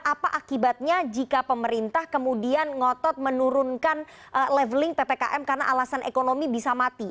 apa akibatnya jika pemerintah kemudian ngotot menurunkan leveling ppkm karena alasan ekonomi bisa mati